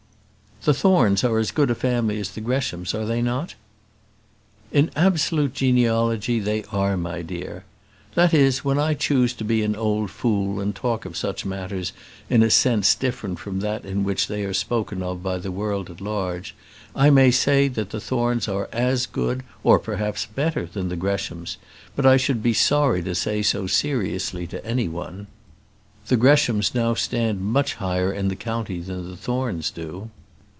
"The Thornes are as good a family as the Greshams, are they not?" "In absolute genealogy they are, my dear. That is, when I choose to be an old fool and talk of such matters in a sense different from that in which they are spoken of by the world at large, I may say that the Thornes are as good, or perhaps better, than the Greshams, but I should be sorry to say so seriously to any one. The Greshams now stand much higher in the county than the Thornes do."